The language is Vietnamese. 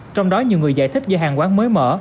trong đó nhiều người giải thích do hàng quán mới mở